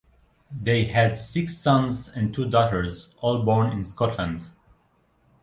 They had six sons and two daughters, all born in Scotland.